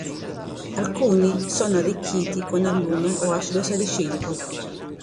Alcuni sono arricchiti con allume o acido salicilico.